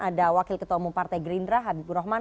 ada wakil ketua umum partai gerindra habib burrohman